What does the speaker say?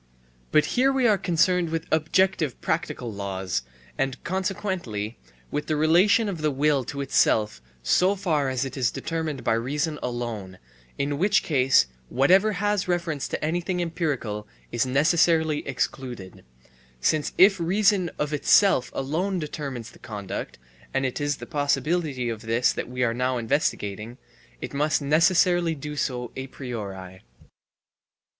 But here we are concerned with objective practical laws and, consequently, with the relation of the will to itself so far as it is determined by reason alone, in which case whatever has reference to anything empirical is necessarily excluded; since if reason of itself alone determines the conduct (and it is the possibility of this that we are now investigating), it must necessarily do so a priori.